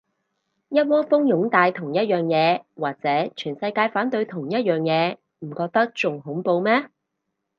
一窩蜂擁戴同一樣嘢，或者全世界反對同一樣嘢，唔覺得仲恐怖咩